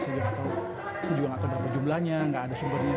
saya juga nggak tahu berapa jumlahnya nggak ada sumbernya